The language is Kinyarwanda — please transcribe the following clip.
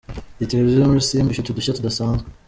Iyi televiziyo yo muri Simba ifite udushya tudasanzwe.